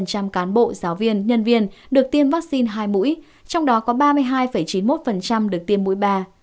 các cán bộ giáo viên nhân viên được tiêm vaccine hai mũi trong đó có ba mươi hai chín mươi một được tiêm mũi ba